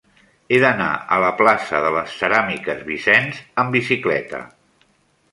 He d'anar a la plaça de les Ceràmiques Vicens amb bicicleta.